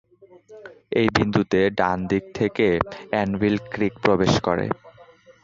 এই বিন্দুতে, ডান দিক থেকে এনভিল ক্রিক প্রবেশ করে।